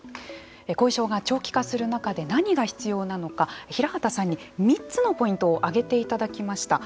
後遺症が長期化する中で何が必要なのか平畑さんに３つのポイントを挙げていただきました。